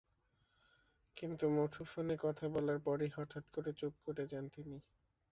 কিন্তু মুঠোফোনে কথা বলার পরই হঠাৎ করে চুপ করে যান তিনি।